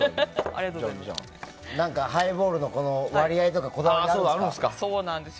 ハイボールの割合とかこだわりとかあるんですか？